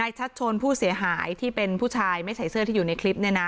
ชัดชนผู้เสียหายที่เป็นผู้ชายไม่ใส่เสื้อที่อยู่ในคลิปเนี่ยนะ